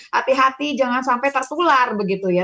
hati hati jangan sampai tertular begitu ya